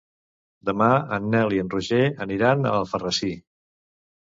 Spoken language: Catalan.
Demà en Nel i en Roger aniran a Alfarrasí.